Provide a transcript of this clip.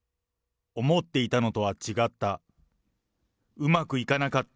思っていたのとは違った。